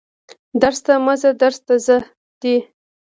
درس ته مه ځه درس ته ځه دي